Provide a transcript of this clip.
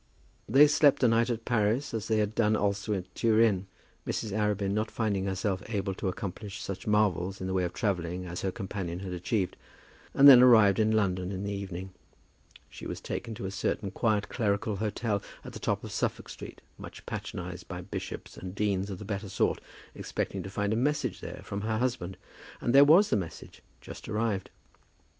They slept a night in Paris, as they had done also at Turin, Mrs. Arabin not finding herself able to accomplish such marvels in the way of travelling as her companion had achieved and then arrived in London in the evening. She was taken to a certain quiet clerical hotel at the top of Suffolk Street, much patronized by bishops and deans of the better sort, expecting to find a message there from her husband. And there was the message just arrived.